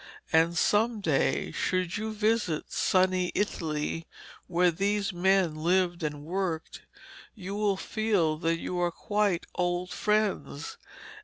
And some day should you visit sunny Italy, where these men lived and worked, you will feel that they are quite old friends.